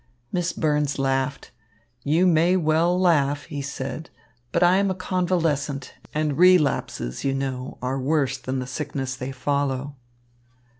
Miss Burns laughed. "You may well laugh," he said, "but I am a convalescent, and relapses, you know, are worse than the sickness they follow."